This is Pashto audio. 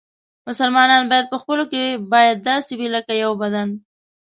مسلمانان باید په خپلو کې باید داسې وي لکه یو بدن.